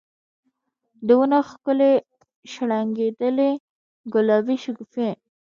د ونو ښکلي شرنګیدلي ګلابې شګوفي